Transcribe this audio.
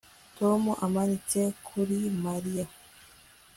tom amanitse kuri mariya